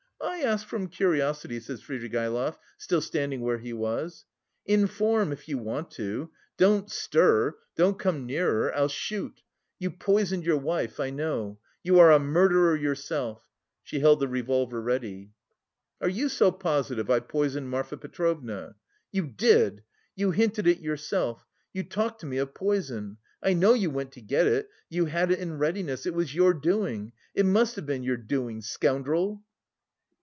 I ask from curiosity," said Svidrigaïlov, still standing where he was. "Inform, if you want to! Don't stir! Don't come nearer! I'll shoot! You poisoned your wife, I know; you are a murderer yourself!" She held the revolver ready. "Are you so positive I poisoned Marfa Petrovna?" "You did! You hinted it yourself; you talked to me of poison.... I know you went to get it... you had it in readiness.... It was your doing.... It must have been your doing.... Scoundrel!"